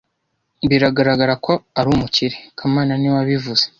Biragaragara ko ari umukire kamana niwe wabivuze